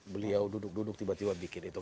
beliau duduk duduk tiba tiba bikin itu